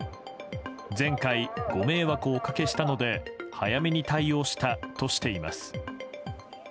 前回、ご迷惑をおかけしたので早めに対応したとしています。